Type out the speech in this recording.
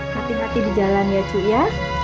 hati hati di jalan ya cuy ya